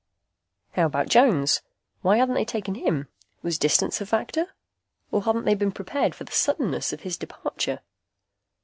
How about Jones? Why hadn't they taken him? Was distance a factor? Or hadn't they been prepared for the suddenness of his departure?